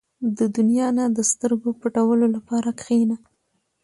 • د دنیا نه د سترګو پټولو لپاره کښېنه.